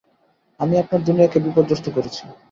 আমি আপনার দুনিয়াকে বিপর্যস্ত করেছি।